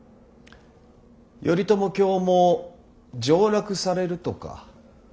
頼朝卿も上洛されるとか。